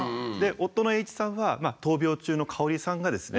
夫の栄一さんは闘病中の香さんがですね